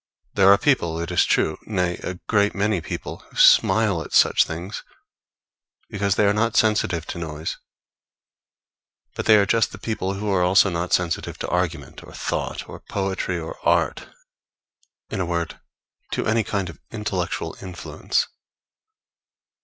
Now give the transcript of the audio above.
There are people, it is true nay, a great many people who smile at such things, because they are not sensitive to noise; but they are just the very people who are also not sensitive to argument, or thought, or poetry, or art, in a word, to any kind of intellectual influence.